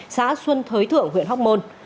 xã xuân thới thượng huyện hóc môn